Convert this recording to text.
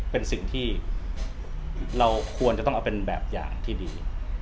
เป็นสิ่งที่เราควรจะต้องเอาเป็นแบบอย่างที่ดี